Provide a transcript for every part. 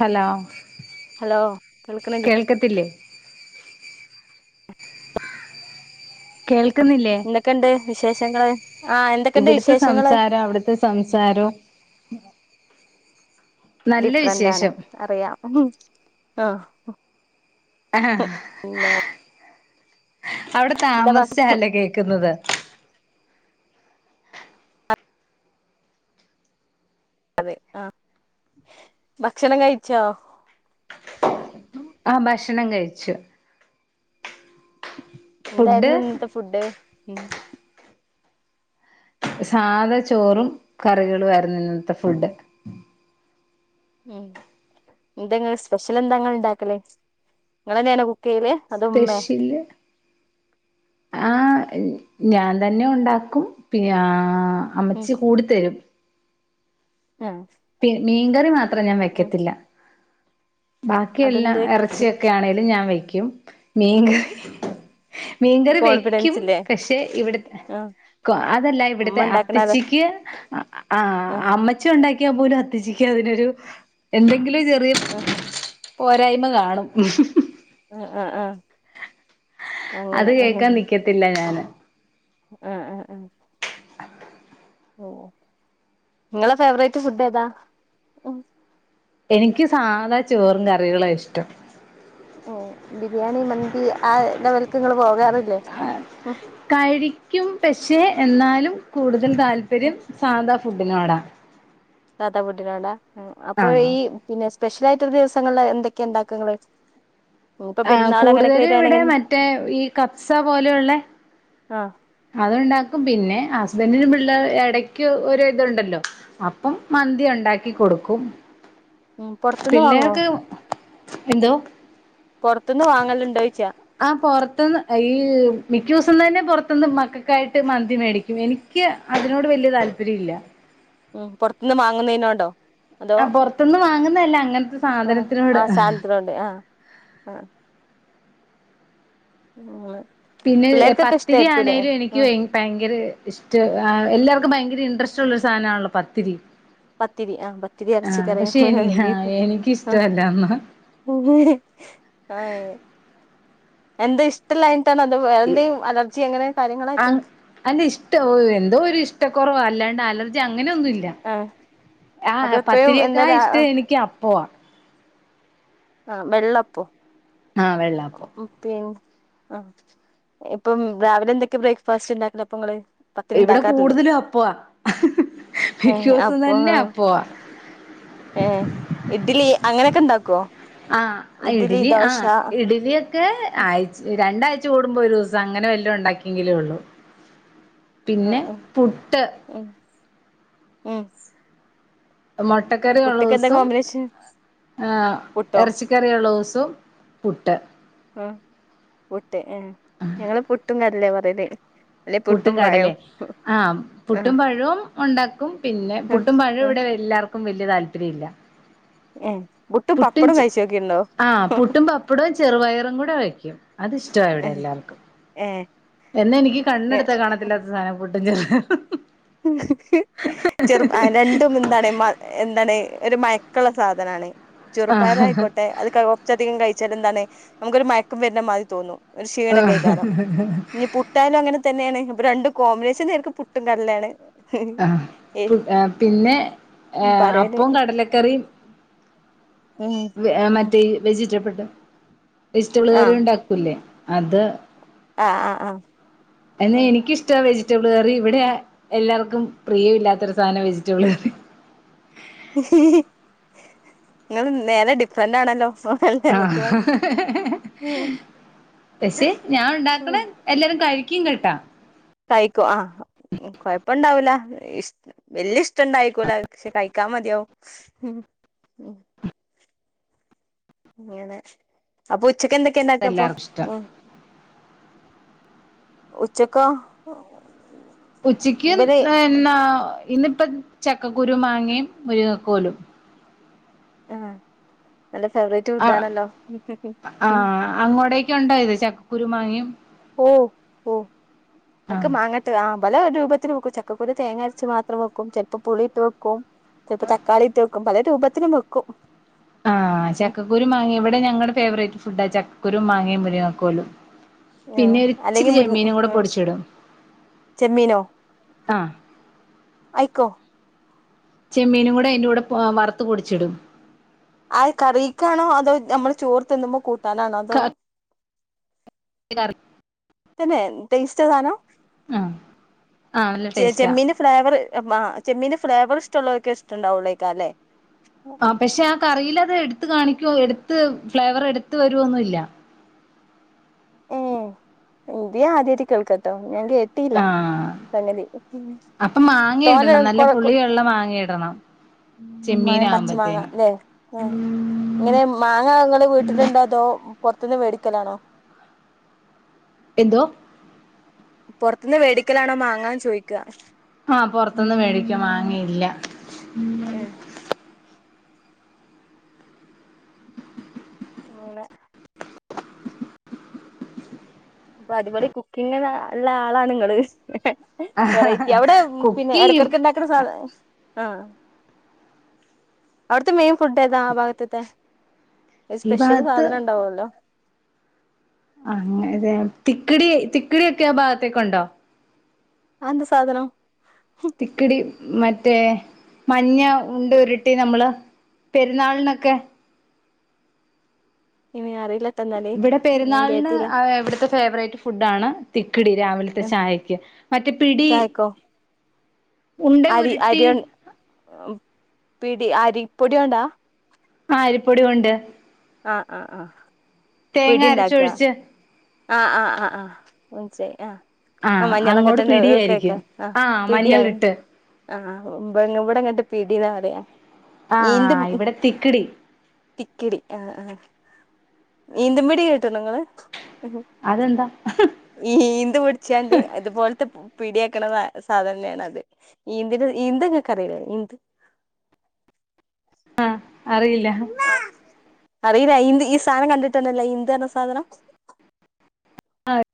Hello, hello കേൾക്കണില്ലേ കേൾക്കത്തില്ലേ? കേൾ ക്ക്ന്നില്ലേ? എന്തൊക്കെയുണ്ട് വിശേഷങ്ങള് ആഹ് എന്തൊക്കെയുണ്ട് ഇവിട്ത്തെ വിശേഷങ്ങള് സംസാരം അവിട്ത്തെ സംസാരോം ഡിഫ്റന്റാണ് വിശേഷം അറിയാം ആഹ് ആഹ് പിന്നെ അവിടെ എന്താ താമസിച്ചാല്ലേ കേക്ക്ന്നത് അതെ ആഹ് ഭക്ഷണം കഴിച്ചോ? ആഹ് ഭക്ഷണം കഴിച്ചു. ഫുഡ് എന്തായിരുന്നു ഇന്നത്തെ ഫുഡ് മ് സാധ ചോറും കറികളും ആയിരുന്നു ഇന്നത്തെ ഫുഡ് മ് എന്തെങ്ങ സ്പെഷ്യൽ എന്താങ്ങ ഇണ്ടാക്കലേ നിങ്ങള് തന്നാണോ കു സ്പെഷ്യല് ആഹ് ഞാൻ തന്നെ ഉണ്ടാക്കും പി അഹ് അമ്മച്ചി കൂടിത്തരും മ് പി മീൻകറി മാ മാത്രം ഞാൻ വെക്കത്തില്ല ബാക്കി അതെന്ത് എല്ലാം പറ്റി ഇറച്ചിയൊക്കെ ആണേലും ഞാൻ വെക്കും ഉം മീൻ കറി മീൻകറി കോൺഫിഡൻസ് വെക്കും ഇല്ലേ പക്ഷെ ഇവിടെ ആഹ് അതല്ല ഇവിടുത്തെ ഉമ്മ ഇണ്ടാക്കണത് അത്തച്ചിക്ക് ആഹ് അമ്മച്ചി ഉണ്ടാക്കി ഇണ്ടാക്കിയ പോലും അത്തച്ചിക്ക് അതിനൊരു എന്തൊക്കെയോ എങ്കിലേ ചെറിയ ആഹ് പോരായ്മ കാണും അഹ് അഹ് അഹ് അത് കേൾക്കാൻ നിക്കത്തില്ല ഞാന് അഹ് അഹ് അഹ് നിങ്ങടെ ഫേവറേറ്റ് ഫുഡ് ഏതാ എനിക്ക് സാധാ ചോറും കറികളുവാ ഇഷ്ടം മ് ബിരിയാണി മന്തി ആ ലെവൽക്ക് നിങ്ങള് പോകാറില്ലേ മ് കഴിക്കും പക്ഷെ എന്നാലും കൂടുത താല്പര്യം സാധാ ഫുഡിനോടാ സാധാ ഫുഡിനോടാ മ് അപ്പൊ ആഹ് ഈ പിന്നെ സ് സ്പെഷ്യലായിട്ട്ള്ള ദിവസങ്ങളില് എന്തൊക്കെയാ ഇണ്ടാക്ക നിങ്ങള് ആഹ് കൂടുതലും ഇവിടെ മറ്റേ ഈ കബ്സ പോലെയുള്ളെ ആഹ് അത്ണ്ടാക്കും പിന്നെ ഹ ബന്നിനും പിള്ള ഇടയ് ക്ക് ഒരു ഇതുണ്ടല്ലോ അപ്പം മന്തി ഇണ്ടാക്കി കൊടുക്കും മ് പൊറത്തിന്ന് വാങ്ങോ പിള്ളേർക്ക് എന്തോ പൊറത്തുന്ന് വാങ്ങലുണ്ടോ ചോയിച്ചാ ആ പുറത്ത്ന്ന് ഈ മിക്ക ദിവസ പൊറത്ത്ന്ന് തന്നെ പുറത്തന്ന് മക്കൾക്കായിട്ട് മന്തി മേടിക്കും എനിക്ക് അതിനോട് വല്യ താല്പര്യം ഇല്ല പൊറത്തിന്ന് വാങ്ങുന്നതിനോടോ ആ പുറത്തൊന്ന് വാങ്ങുന്ന അങ്ങ ഹോ ആ സാധനത്തിനോട് ആ അങ്ങനെ പിന്നെ പത്തിരി ആണേലും എനിക്ക് ആഹ് ഭയങ്കര ഇഷ്ടം എല്ലാർക്കും ഭയങ്കര ഇരി ഇൻട്രസ്റ്റ് ഉള്ള സാധനാണല്ലോ പത്തിരി പത്തിരി ആ പത്തിരി ഇറച്ചി ആഹ് കറിയും പക്ഷെ എനി [inaudible] ബീഫും [inaudible] എനിക്കിഷ്ടമല്ലന്ന എന്താ ഇഷ്ടല്ലെ [unintelligible] ആ കാര്യങ്ങളായിട്ടോ അല്ല ഇഷ്ട എന്തോ ഒരു ഇഷ്ടം കുറവാണ് അല്ലാണ്ട് അലർജി അങ്ങനെയൊന്നുഇല്ല ആഹ് ആ അപ്പൊ എപ്പഴും പത്തിരിയൊക്കെ എന്താ ആ രാ ഇഷ്ടം എനിക്ക് അപ്പോ ആഹ വെള്ളപ്പം ആ വെള്ളപ്പം ആ ഇപ്പം രാവിലെ എന്തൊക്കെ ബ്രേക്ക്ഫാസ്റ്റ് ഉണ്ടാക്കലപ്പൊ നിങ്ങള് ഇവിടെ കൂടുതലും അപ്പവാ [inaudible] മിക്കദിവസവും തന്നെ അപ്പവാ ഹേ ഇഡ്ലി അങ്ങനെയൊക്കെ ഉണ്ടാക്കോ ആ ഇഡലി ആ ഇഡലിയൊക്കെ ആഴ്ച രണ്ടാഴ്ച ചൂടുമ്പോ ഒരു ദിവസം അങ്ങനെ വല്ല ഉണ്ടാക്കിയെങ്കിലേള്ളു ആഹ് പിന്നെ ആഹ് പുട്ട് ഉം [unintelligible] മുട്ടക്കറിയെ ഉള്ള പുട്ട്ക്ക് എന്താ ദിവസം കോമ്പിനേഷൻ പുട്ടോ ഇറച്ചിക്കറി ഉള്ള ദിവസം പുട്ട് ട്ട ആഹ് ഇഡ്ഡലി പുട്ടും കടല്ലെ ആഹ ആഹ് പുട്ടും പഴവും ഉണ്ടാക്കും പിന്നെ ആഹ് പുട്ടും പഴവും ആഹ് ഇവിടെ എല്ലാവർക്കും വ വല്യ താല്പര്യം ഇല്ല ഏഹ് പുട്ടും പപ്പടും കഴിച്ചോക്കിണ്ടോ ആഹ് പുട്ടും പപ്പടവും ചെറുപയറും കൂടെ വയ്ക്കും അത് ഇഷ്ടമാ ഇവിടെ ഏഹ് എല്ലാവർക്കും എന്നെ എനിക്ക് കണ്ണെടുത്താ ഏഹ് കാണത്തില്ലാ സധന ഫുഡ്ഡ് ഞ്ഞ ഹ് ഹ് ചെറു രണ്ടും എന്താണ് മ എന്താണ് ഒരു മയ ക്കളള സാധനാണ് ആഹ് ചുറപ്പയറാആയിക്കോട്ടെ അത്ക്കെറച്ചധികം കഴിച്ച എന്താണ് നമുക്കൊരു മയക്കം വരുന്ന മാതി തോന്നും. ഒരു ക്ഷീണ ഒക്കെ ഏകാരം ഇനി പുട്ടായാലും അങ്ങനെ തന്നെയാണ് രണ്ട് കോമ്പിനേഷൻ നേർക്ക് പുട്ടും കടല യാണ് ആഹ് പു പിന്നെ ഏഹ് പറയല് അപ്പം കടലക്കറി ഉം വെ ഉം മറ്റേ വെജിറ്റബിൾ വജിറ്റബിൾ കറി ആഹ് ഉണ്ടാക്കൂലേ അത്. ആഹ് ആഹ് ആഹ് എന്നാ ഉം എനിക്കിഷ്ട്ടം വെജി വെജിറ്റബിൾ കറി ഇവിടെ എല്ലാർക്കും പ്രിയ ഇല്ലാത്തരു സാന വെജിറ്റബിൾ കറി നിങ്ങൾ നേരെ ഡിഫറന്റ് ആണല്ലോ. ആഹ് ഉം പക്ഷെ ഞാൻ ഉണ്ടാക്കണ ഉം എല്ലാരും കഴി ക്യും കേട്ടോ കഴിക്കും ആഹ് കൊഴപ്പണ്ടാവൂല ഇഷ് വല്യ ഇഷ്ട ഇണ്ടായിക്കൂലാ പക്ഷെ കഴിക്കാ മതിയാവും ഉം അങ്ങനെ അപ്പൊ ഉച്ചക്ക് എന്തെക്കെ ഇണ്ടാക്കപ്പോ എല്ലാർക്കും ഇഷ്ടം ഉം ഉച്ചക്കൊ ഉച്ചക്ക് ന്നന്നാ ഇന്നിപ്പം ചക്കക്കുരും, മാങ്ങെ, മുരിങ്ങകോലും ആഹ് ആഹ് ഉം ആഹ് അങ്ങോടേക്കുണ്ടോ ഇത് ചക് കുരുമാങ്ങ്യം ഓ ഓ ഒക്കെ ആഹ് മാങ്ങട്ട് ആഹ് പല രൂപത്തിലു വെക്കും ചക്കക്കുരു തേങ്ങ അര്ച്ച് മാത്രം വെക്കും ചെൽപ്പം പുളിട്ട് വെക്കും. ചെൽപ്പം തക്കാളിട്ട് വെക്കും പലെ രൂപത്തിലും വെക്കും. ആഹ് ഉം ചക്കുരു മാങ്ങി ഇവടെ ഞങ്ങടെ ഫേവറേറ്റ് ഫുഡാ ചക് കുരും മാങ്ങേ മുരിങ്ങകോലും. ആഹ് അല്ലെങ്കി മുര്ങ്‌ ആഹ് പൊടിച്ചിടും ചെമ്മീനോ ആഹ് അയ്ക്കോ ചെമ്മീനും കൂടെ അയ്ന്റുടെ ആ വർത്തു പൊടിച്ചിടും ആഹ് കറീക്കാണോ അതോ നമ്മള് ചോർ തിന്നുമ്പോ കൂട്ട താനാണോ അതോ [unintelligible] തന്നെ ടേസ്റ്റ് ആ സാനം ആഹ് ആഹ് നല്ല ചെ ടേസ്റ്റാ ചെമ്മിന്റെ ഫ്ലൈവർ ഏ മ ചെമ്മീന്റെ ഫ്ലേവർ ഇഷ്ടമുള്ളവർക്കെ ഇഷ്ടണ്ടാവുള്ളേക അല്ലേ ആ പക്ഷെ ആ കറിയില അത് എടു എടുത്ത് കാണിക്ക എടുത്ത് ഫ്ലേവർ എടുത്ത വരുവോന്നുംല്ല ഉം ഇന്ത്യ ആദരിക്കണം കേട്ടോ ആഹ അപ്പൊ മാങ്ങ തോനെ ഇടണം നല്ല കൊറ പുള്ളി ഉള്ളം മാങ്ങയിടണം മാങ്ങ പച്ച മാങ്ങ അല്ലെ ഇങ്ങനെ മാങ്ങ ങ്ങള് വീട്ടിലുണ്ടോ അതോ പുറത്തുന്ന് മേടിക്കലാണോ എന്തോ പുറത്തുന്ന് വേടിക്കലാണോ മാാങ്ങാൻ ചോയ്ക്കുക ആഹ പുറത്തൊന്നും മേടിക്കും വാങ്ങിയില്ല ഉം മതി മൂനെ അപ്പൊ അടിപൊളി കുക്കിംഗ് ഉള്ള ആളാണ് നിങ്ങള് വെറൈറ്റി അവിടെ പിന്നെ കുക്കെയ്യും ഇടക്കിടക്ക് ഉണ്ടാക്കുന്ന സാധ ആഹ അവിടുത്തെ മെൻ ഫുഡ് എതാ ആഭഗത്തത്തെെ ഒരു ഈ സ്പെഷ്യൽ ഭാഗത്ത് സാധനം ഇണ്ടാവല്ലോ അങ്ങനതെ തിക്കിടി തിക്കിടിയൊക്കെ ആ ഭാഗത്തേക്കുണ്ടോ അന്ത സാധനം തിക്കിടി മറ്റേ മഞ്ഞ ഉണ്ട് ഉരുട്ടി നമ്മള് പെരുന്നാളിനൊക്കെ ഇനി ആറില്ല ഇവിടെ പെരുന്നാളിന് ഇവിടുത്തെ ഫേവറേറ്റ് ഫുഡ ആണ് കിടി രാവിലത്തെ ചായക്ക് മറ്റേ പിടി ചായക്കോ ഉണ്ട അരി ഉരുട്ടി അരി പിടി അരിപ്പൊടിയോണ്ടാ ആ അരിപ്പൊടി ഉണ്ട് ആഹ ആഹ ആഹ തേങ്ങ അരച്ച ഒഴിച്ച ആഹ ആഹ ആഹ ആഹ ഉം ശരി ആഹ ആഹ അങ്ങോട്ട പിടിയായിരിക്കും ആഹ മഞ്ഞളിട്ട് ആഹ് ഇടെ അങ്ങോട്ട് പിടീന്നാ പറയാ ഈന്ത് [unintelligible] [inaudible] അതെന്താ ഈ ഈന്ത് പിടിച്ചാണ്ട് ഇത് പോലത്തെ [unintelligible] [unintelligible] [unintelligible] മ്മള്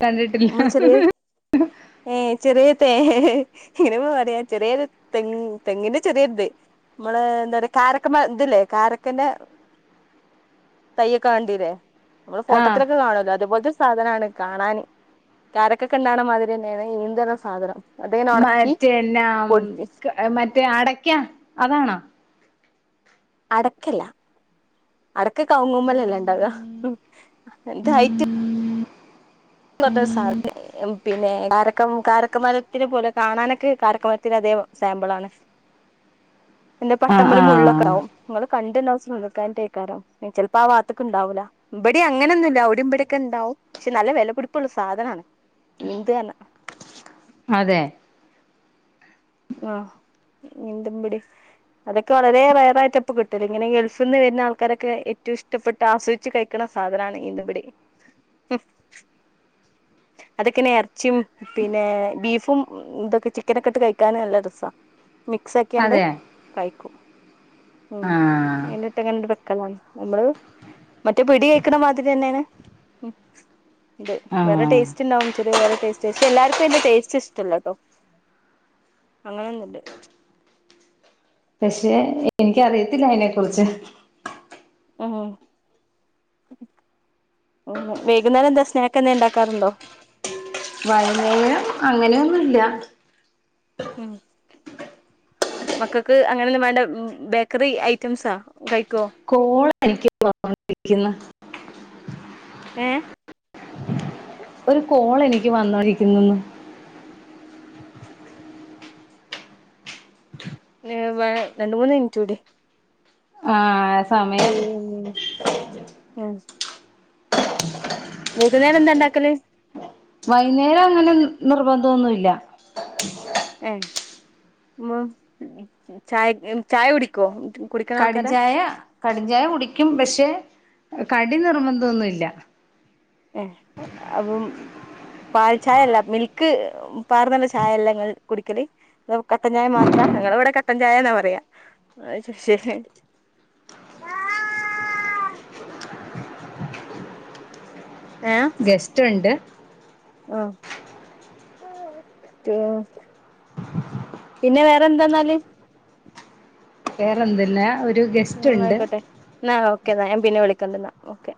കണ്ടിട്ടില്ല ചെറിയ ഏയ് ചെറിയ തേ [unintelligible] ചെറിയൊരു തെങ്ങ് തെങ്ങിൻ്റെ ചെറിയൊരു ഇതു മ്മളെ എന്താ പറയ [unintelligible] കാര [unintelligible] [unintelligible] ആ സാധനാണ് കാണാന് കാരക്ക കണ്ണു മാതിരി തന്നെയാണ് [unintelligible] സാധനം അതിങ്ങനെ ഒണക്കി പൊടിച്ച് [unintelligible] അടക്കല അടക്ക കവുങ്ങും മേൽ അല്ലെ ണ്ടാവുക [unintelligible] [unintelligible] ധ പിന്നെ കാര കാരക്കമരത്തിന് പോലെ കാണാനൊക്കെ കാരക്കമരത്തി അധേ സാമ്പിളാണ് എന്റെ ആ പട്ടമ്പല ആ മുള്ളൊക്കെ ആകും നിങ്ങൾ കണ്ട് [unintelligible] [unintelligible] ചെലപ്പോ ആ വാത്തക്കണ്ടാവില്ല ഇവിടി അങ്ങനൊന്നും ഇല്ല അവിടി ഇമ്പടടെൊക്കെ ഉണ്ടാവും പക്ഷെ നല്ല വില കൊടുക്കും [unintelligible] സാധനാണ് ഇന്ത് തന്നെ അതെ. ആഹ് ഇന്തുമപിടി അതൊക്കെ വളരെ റയറായിട്ട്പ്പ കിട്ടല ഇങ്ങനെ ഗൾഫിൽ നിന്ന് വരുന്ന ആൾക്കാരൊക്കെ ഏറ്റവും ഇഷ്ടപ്പെട്ട് ആസ്വദിച്ച് കഴിക്കണ സാധനമാണ് ഇന്തുമപിടി അതൊക്കനെ ഇറച്ചിയും പിന്നെ ബീഫും ഇതൊക്കെ ചിക്കനൊക്കെ ഇട്ട് കയി [unintelligible] നല്ല രസമാണ് മിക്സ് ആക്കിയാണ്ട് അതെ കഴിക്കും. ഉം ആ എ [unintelligible] [unintelligible] നമ്മള് മറ്റേ പിടി കേക്കണ മാതിരി തന്നെയാണ്. അതെ വേറെ ആ ടേസ്റ്റ് ഇണ്ടാവും ചെറിയ വേറെ ടേസ്റ്റാ ക്ഷേ എല്ലാർക്കും അതിന്റെ ടേസ്റ്റ് ഇഷ്ടല്ല ട്ടോ അങ്ങനൊന്നുല്ല പക്ഷെ എനിക്ക അറിയത്തില്ല അയിനെ കുറിച്ച് ഉ വൈകുന്നേരം എന്താ സ്നാക്ക് നീ ഉണ്ടാക്കാറുണ്ടോ വയമേല് അങ്ങനെയൊന്നുംല്ല ഉം മക്കൾക്ക് അങ്ങനെന്നും വേണ്ട ബേക്കറി ഐറ്റംസാ കഴി കോള് എനിക്ക്ണ്ടിരിക്കുന്നു ഏ ഒരു കോൾ എനിക്ക് വന്നോണ്ടിരിക്കുന്നെന്ന്‌ ഏ വ രണ്ട് മൂന്ന് മിനിറ്റൂടി ആഹ് സ് [unintelligible] വൈകുന്നേരം എന്താ ഉണ്ടാക്കല് വൈകുന്നേരം അങ്ങനെ നിർബന്ധമൊന്നുമില്ല ഏ ചായ ചായ കുടിക്കോ കുടിക്കണ ആൾക്കാരാ കടിഞ്ചായ കടിഞ്ചായ കുടിക്ക് ക്കും പക്ഷെ കടി നിർബന്ധമൊന്നുമില്ല ഏ അപ്പം പാൽ ചായയല്ല മിൽക്ക് പാറന്നുള്ള ചായഅല്ലേ നിങ്ങള് കുടിക്കല് കട്ടൻചായ മാത്രാ ഞങ്ങള് ഇവിടെ കട്ടൻ ചായന്നാ പറയാ ഗസ്റ്റ് ഉണ്ട് ആ പിന്നെ വേറെന്താെന്നാല് വേറെന്തെല്ലാം ഒരു ഗസ്റ്റ് ഉം ഉണ്ട് ആയിക്കോട്ടെ ന്നാ ക്കെന്നാ ഞാൻ പിന്നെ വിളിക്കണ്ടിന്നാ ഓക്കെ